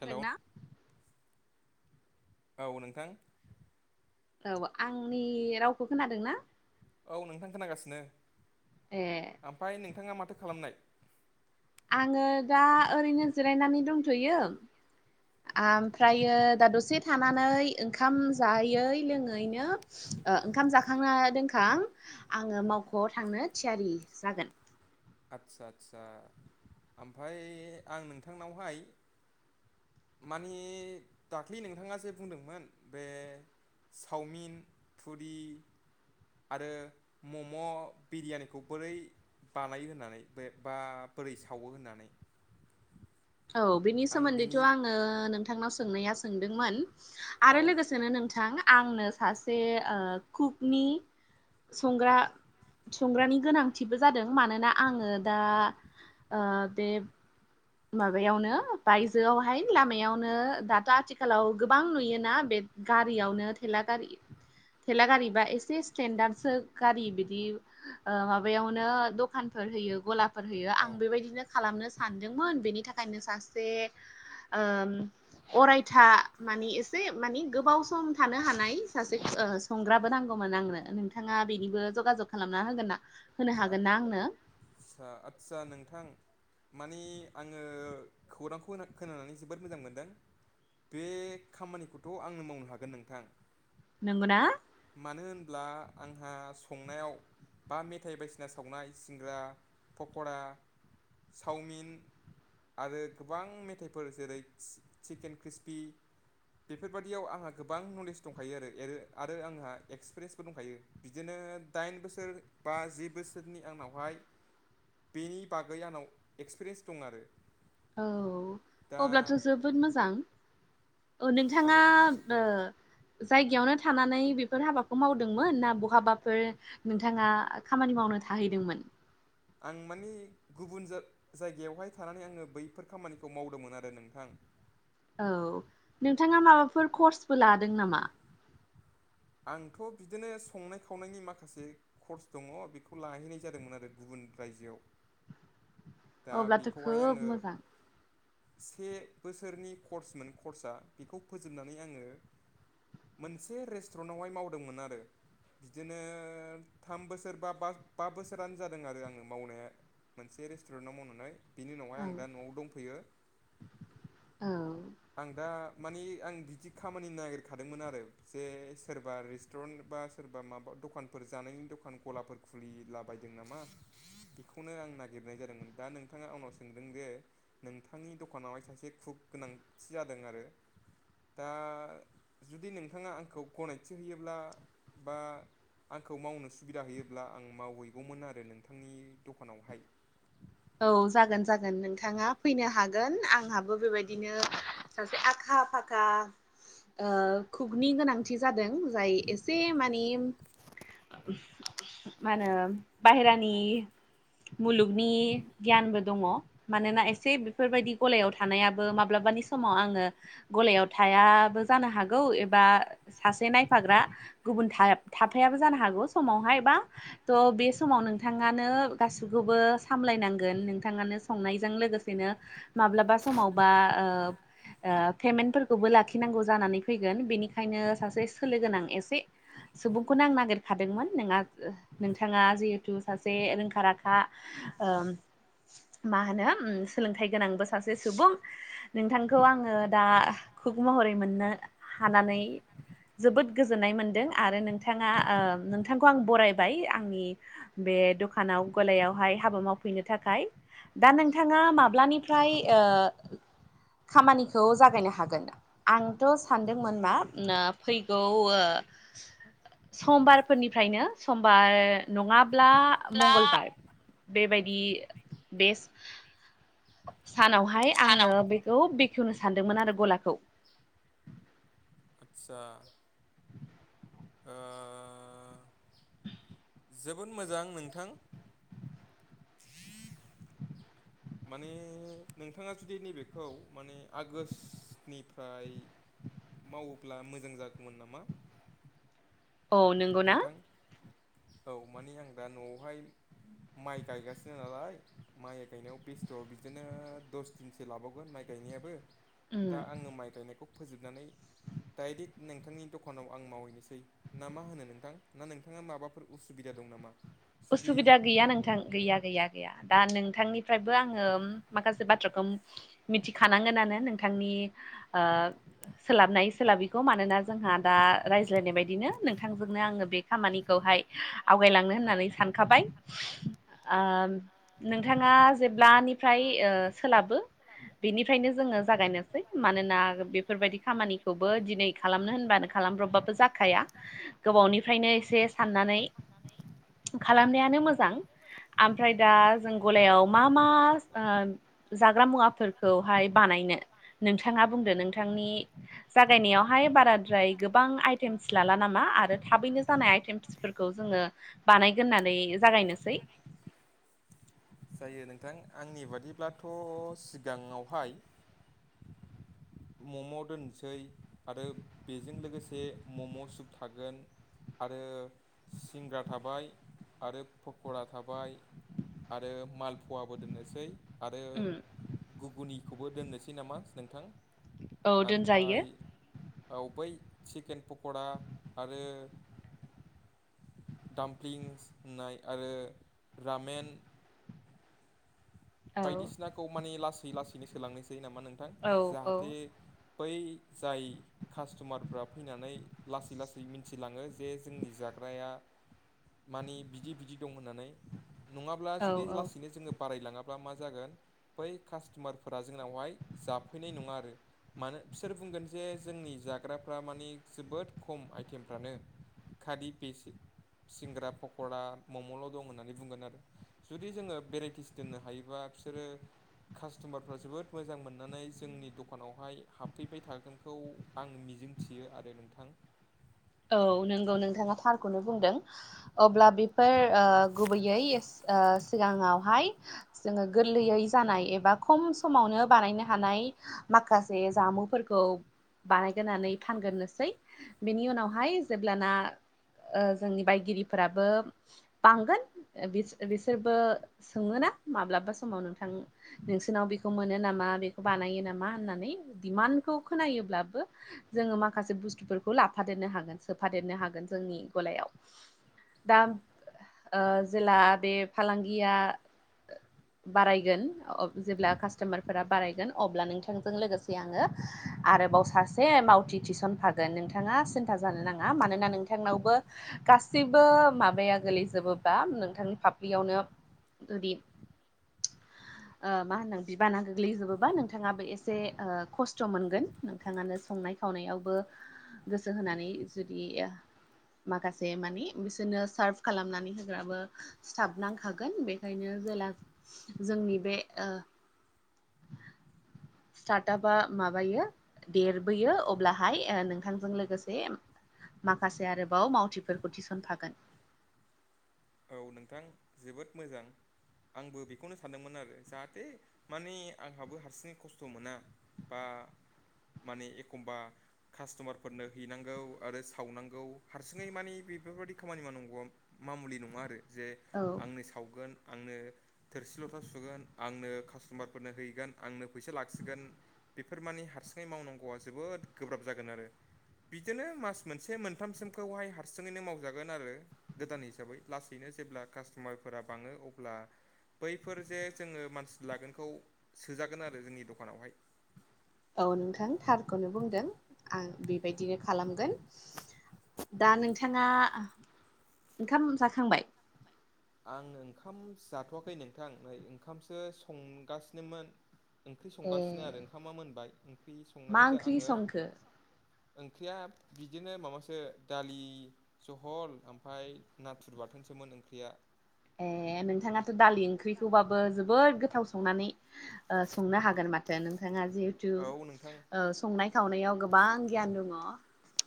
Hello आरोना औ नोंथां औ आंनि रावखौ खोनादों ना औ नोंथां खोनागासिनो ए आमफ्राय नोंथांआ माथो खालामनाय आङो दा ओरैनो जिरायनानै दंथ'यो आमफ्रायो दा दसे थानानै ओंखाम जायै लोङै ओरैनो ओंखाम जा थांखांना दोनखां आङो मावख'आव थांनो थिआरि जागोन आदसा आदसा आमफाय आं नोंथांनावहाय मानि दाखलि नोंथांआ जे बुंदोंमोन बे सावमिन फुरि आरो मम' बिरियानिखौ बोरै बानायो होननानै बेबा बोरै सावो होननानै औ बिनि आं सोमोन्दैथ' बिनि आङो नोंथांनाव सोंनाया सोंदोंमोन आरो औ लोगोसेनो नोंथां आंनो सासे ओ कुकनि संग्रा संग्रानि गोनांथिबो जादों मानोना आङो दा ओ बे माबायावनो बायजोआवहाय लामायावनो दाथ' आथिखालाव गोबां नुयोना बे गारिआवनो थेला गारि थेला गारिबा एसे स्टेेनदाटसो गारि बिदि ओ माबायावनो दखानफोर होयो ग'लाफोर होयो आं औ बेबायदिनो खालामनो सानो मोन बेनि थाखायनो सासे अरायथा मानि एसे मानि गोबाव सम थानो हानाय सासे ओ संग्राबो नांगौमोन आंनो नोंथांआ बेनिबो ज'गा ज'ग खालामना होगोन ना होनो हागोन ना आंनो आदसा आदसा नोंथां माने आङो खौरांखौ खो खोनानानै जोबोद मोजां मोनदों बे खामानिखौथ' आंनो मावनो हागोन नोंथां नोंगौना मानो होनब्ला आंहा संनायाव बा मेथाइ बायदिसिना सावनाय सिंग्रा पक'रा सावमिन आरो गोबां मेथाइफोर जेरै चिकेन क्रिस्पि बेफोरबादिआव आंहा गोबां नलेज दंखायो एरो आरो आरो आंहा एक्सपेरियेन्सबो दंखायो बिदिनो दाइन बोसोर बा जि बोसोरनि आंनावहाय बेनि बागै आंनाव एक्सपेरेयेन्स दं आरो औ दा अब्लाथ' जोबोद मोजां ओ औ नोंथांआ ओ जायगायावनो थानानै बेफोर हाबाखौ मावदोंमोन ना बहाबाफोर नोंथांआ खामानि मावनो थाहैदोंमोन आं मानि गुबुन जायगायावहाय थानानै आङो बैफोर खामानिखौ मावदोंमोन आरो नोंथां औ नोंथांआ माबाफोर करसबो लादों नामा आंथ' बिदिनो संनाय खावनायनि माखासे कर्स दङ बेखौ लहैनाय जादोंमोन आरो गुबुन रायजोआव दा अब्लाथ' बेखौहाय खोब आङो मोजां से बोसोरनि कर्समोन कर्साआ बेखौ फोजोबनानै आङो। मोनसे रेस्टुरेन्टावहाय मावदोंमोन आरो। बिदिनो थाम बोसोर बा बा बा बोसोरानो जादों आरो आङो मावनाया। मोनसे रेस रेस्टुरेन्टाव मावनानै बिनि उनावहाय औ आं दा न आव दंफैयो औ आं दा दा मानि आं बिदि खामानि नागिरखादोंमोन आरो। जे सोरबा रेस्टुरेन्ट बा सोरबा माबा दखानफोर जानायनि दखान गलाफोर खुलिलाबायदों नामा बेखौनो आं नागिरनाय जादोंमोन। दा नोंथाङा आंनाव सोंदों जे नोंथांनि दखानावहाय सासे कुक गोनांथि जादों आरो। दा जुदि नोंथाङा आंखौ गनायथि होयोब्ला बा आंखौ मावनो सुबिदा होयोब्ला आं मावहैगौमोन आरो नोंथांनि दखानावहाय। औ जागोन जागोन नोंथाङा फैनो हागोन आंहाबो बेबायदिनो सासे आखा फाखा ओ खुगनि गोनां जादों जाय एसे मानि मा होनो बायेरानि मुलुगनि गियानबो दङ मानोना एसे बेफोरबायदि गलायाव थानायाबो माब्लाबानि समाव आङो। गलायाव थायाबो जानो हागौ एबा सासे नायफाग्रा गुबुन थाइब थाथायाबो जानो हागौ समावहाय बा थ' बे समाव नोंथाङानो गासिखौबो सामलायनांगौ नोंथाङानो संनायजों लोगोसेनो माब्लाबा समावबा ओ ओ पेमेन्टफोरखौबो लाखिनांगौ जानानै फैगोन, बेनिखायनो सासे सोलो गोनां एसे सुबुंखौनो आं नागिरखादोंमोन नोंहा नोंथाङा जि थु सासे रोंखा राखा ओम मा होनो ओम सोलोंथाइ गोनांबो सासे सुबुं नोंथांखौ आङो दा खुग महरै मोननो हानानै जोबोद गोजोननाय मोनदों आरो नोंथाङा ओ नोंथांखौ आं बरायबाय आंनि बे दखानाव गलायावहाय हाबा मावफैनो थाखाय दा नोंथाङा माब्लानिफ्राय ओ खामानिखौ जागायनो हागोन। आंथ' सानदोंमोन मा ओमा फैगौ ओ समबारफोरनिफ्रायनो समबार नङाब्ला मंगलबार बेबायदि बेस सानावहाय आङो बेखौ बेखेवनो सानदोंमोन आरो गलाखौ। आदसा ओ जोबोद मोजां नोंथां। माने नोंथाङा जुदि नैबेखौ माने आगोष्टनिफ्राय मावोब्ला मोजां जागौमोन नामा? औ नों नोंथां औ मानि आं दा न'आवहाय माइ गायगासिनो नालाय माइ गायनायाव बेस्थ' बिदिनो दस दिनसो लाबावगोन माइ गायनायाबो ‌। उम दा आङो माइ गायनायखौ फोजोबनानै डाइरेक्ट नोंथांनि दखानाव आं मावहैनोसै ना मा होनो नों नोंथां ना नोंथाङा माबाफोर उसुबिदा दं नामा? जुदि उसुबिदा गैया नोंथां गैया गैया। गैया दा नोंथांनिफ्रायबो आङो उम माखासे बाथ्राखौ उम मिथिखानांगोनानो नोंथांनि ओ सोलाबनाय सोलाबिखौ मानोना जोंहा दा रायज्लायनाय बायदिनो नोंथांजोंनो आङो बे खामानिखौहाय आवगायलांनो होननानै सानखाबाय ओ नोंथांआ जेब्लानिफ्राय ओ सोलाबो बेनिफ्रायनो जोङो जागायनोसै मानोना बेफोरबादि खामानिखौबो दिनै खालामनो होनबानो खालामब्र'बबाबो जाखाया गोबावनिफ्रायनो एसे साननानै साननानै खालामनायानो मोजां आमफ्राय दा जों ग'लायाव मा मा ओ जाग्रा मुवाफोरखौहाय बानायनो नोंथांआ बुंदो नोंथांनि जागायनायाव बाहाय बाराद्राय गोबां आइटेमस लाला नामा आरो थाबैनो जानाय आइटेमसफोरखौ जोङो बानायगोरनानै जागायनोसै जायो नोंथां आंनि बादिब्लाथ' सिगांआवहाय मम' दोनसै आरो बेजों लोगोसे मम' सुप थागोन। आरो सिंग्रा थाबाय। आरो पकरा थाबाय आरो माल फवाबो दोननोसै। आरो उम गुगुनिखौबो दोननोसै नामा नोंथां? औ दोनजायो आमफाय औ बै चिकेन पक'रा आरो दामफ्लिंस होननाय आरो रामेन औ बायदिसिनाखौ माने लासै लासैनो सोलांनायसै नामा नोंथां औ जाहाथे बै जाय कास्टमारफ्रा फैनानै लासै लासै मिथिलाङो जे जोंनि जाग्राया मानि बिदि बिदि दं होननानै नङाब्ला औ जुदि औ लासैनो जोङो बारायलाङा ब्ला मा जागोन बै कास्ट'मारफोरा जोंनावहाय जाफैनाय नङा आरो। मानो बिसोर बुंगोन जे जोंनि जाग्राफ्रा मानि जोबोद खम आइटेमफ्रानो। खालि फेसे सिंग्रा पक'रा मम'ल' दं होननानै बुंगोन आरो जुदि जोङो भेराइटिस दोननो हायो बा बिसोरो कास्ट'मारफ्रा जोबोद मोजां मोननानै जोंनि दखानावहाय हाबफैबाय थागोनखौ आं मिजिं थियो आरो नोंथां। औ नंगौ नोंथाङा थारखौनो बुंदों। अब्ला बेफोर ओ गुबैयै ओ सिगाङावहाय जोङो गोरलैयै जानाय एबा खम समावनो बानायनो हानाय माखासे जामुफोरखौ बानायग्रोनानै फानग्रोनोसै बेनि उनाव हाय जेब्लाना ओ जोंनि बायगिरिफोराबो बांगोन ओ बिसोरबो सोङोना माब्लाबा समाव नोंथां नोंसोरनाव बेखौ मोनो नामा बेखौ बानायो नामा होननानै डिमान्डखौ खोनायोब्लाबो जोङो माखासे बुस्थुफोरखौ लाफादेरनो हागोन सोफादेरनो हागोन जोंनि गलायाव। दा जेला बे फालांगिया बारायगोन अब जेब्ला कास्टमार फोरा बारायगोन अब्ला नोंथांजों लोगोसे आङो आरोबाव सासे मावथि थिसनफा गोन नोंथाङा सिन्था जानो नाङा मानोना नोंथांनावबो गा सिबबो माबाया गोलैजोबोबा नोंथांनि फाफ्लियावनो जुदि ओ मा होनदों बिबाना गोग्लैजोबोबा नोंथाङाबो एसे से औ ओ खस्थ' मोनगोन नोंथाङानो संनाय खावनायावबो जो होनानै जुदि माखासे मानि बिसोरनो सार्भ खालामनानै होग्राबो सिथाबलांखागोन बेखायनो जेला जोंनि बे ओ [inaudible] स्टार्टआपा माबायो देरबोयो अब्लाहाय ओ नोंथांजों लोगो गोसे माखासे आरोबाव मावथिफोरखौ थिसनफागोन। औ नोंथां जोबोद मोजां। आंबो बेखौनो सानदोंमोन आरो जाहाथे माने आंहाबो हारसिङै खस्थ' मोना। बा माने एखमबा कास्ट'मारफोरनो हैनांगौ आरो सावनांगौ हारसिङै मानि बेफोरबायदि खामानि मावनांगौआ मामुलि नङा आरो जे औ आंनो सावगोन आंनो थोरसि लथा सुगोन आंनो कास्ट'मारफोरनो हैगोन आंनो फैसा लाखिगोन। बेफोर मानि हारसिङै मावनांगौआ जोबोद गोब्राब जागोन आरो। बिदिनो मास मोनसे मोनथामसिमखौहाय हारसिङैनो मावजागोन आरो गोदान हिसाबै। लासैनो जेब्ला कास्ट'मारफोरा बाङो अब्ला बैफोर जे जोङो मानसि लागोनखौ सोजागोन आरो जोंनि दखानावहाय। औ नोंथां थारखौनो बुंदों आं बेबायदिनो खालामगोन। दा नोंथाङा ओंखाम जाखांबाय? आं ओंखाम जाथ'वाखै नोंथां नै ओंखामसो संगासिनोमोन। ओंख्रि ए संगासिनो आरो ओंखामा मोनबाय ओंख्रि मा संनानै दा ओंख्रि आङो संखो ओंख्रिया बिदिनो माबासो दालि जहल ओमफाय नाथुर बाथोनसोमोन ओंख्रिया। ए नोंथाङाथ' दालि ओंख्रिखौबाबो जोबोद गोथाव संनानै ओ संनो हागोन माथो नोंथाङा जिथु औ नोंथां ओ संनाय खावनायाव गोबां गियान दङ।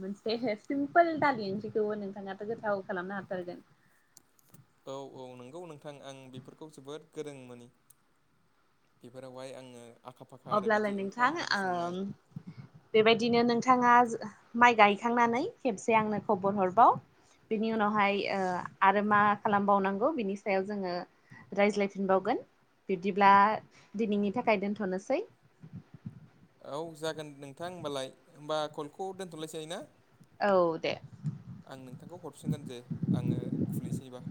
मोनसे हे सिमपोल दालि ओंख्रिखौ नोंथाङाथ' गोथाव खालामनो हाथारगोन। औ औ नोंगौ नोंथां आं बेफोरखौ जोबोद गोरों मोनि बेफोरावहाय आङो आखा फाखा आरो अब्लालाय बिदि नोंथां ओंखाम ओंख्रि ओम संनाय बेबायदिनो नोंथाङा माइ गायखांनानै खेबसे आंनो खबर हरबाव बिनि उनावहाय ओ आरो मा खालामबावनांगौ बिनि सायाव जोङो रायज्लायफिनबावगोन बिब्दिब्ला दिनैनि थाखाय दोन्थ'नोसै। औ जागोन नोंथां होमबालाय होमबा कलखौ दोनथ'लायसै ना? औ दे। आं नोंथांखौ हरफिनगोन जे आङो खुलिसैबा।